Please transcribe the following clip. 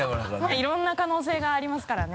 いろんな可能性がありますからね。